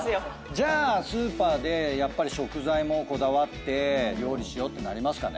じゃあスーパーでやっぱり食材もこだわって料理しようってなりますかね。